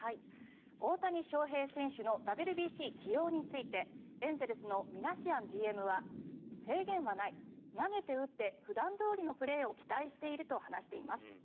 大谷翔平選手のＷＢＣ起用についてエンゼルスのミナシアンＧＭは制限はない投げて打って普段どおりのプレーを期待していると話しています。